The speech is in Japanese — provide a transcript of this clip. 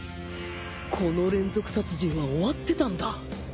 この連続殺人は終わってたんだ